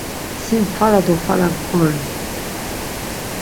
Sin fara do fara ggori.